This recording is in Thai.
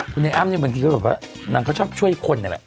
คุณนายอ้ำเนี่ยบางทีเขาบอกว่านางเขาชอบช่วยคนเนี่ยแบบ